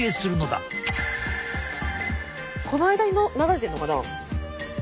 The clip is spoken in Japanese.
この間に流れてるのかな？